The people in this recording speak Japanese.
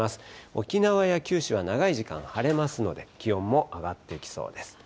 沖縄や九州は長い時間晴れますので、気温も上がってきそうです。